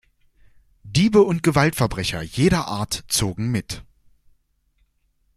Diebe und Gewaltverbrecher jeder Art zogen mit.